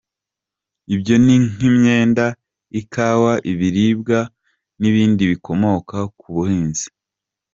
Ibyo ni nk’imyenda, Ikawa, ibiribwa n’ibindi bikomoka ku buhinzi.